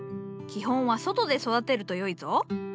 基本は外で育てるとよいぞ。